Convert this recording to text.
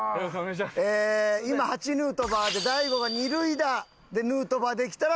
ヌートバーで大悟が二塁打でヌートバーできたら達成です。